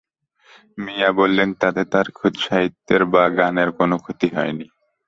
মিয়া বললেন, তাতে তাঁর সাহিত্যের বা গানের কোনো ক্ষতি হয় নি।